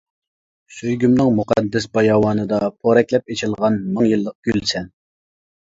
سۆيگۈمنىڭ مۇقەددەس باياۋانىدا، پورەكلەپ ئېچىلغان مىڭ يىللىق گۈلسەن.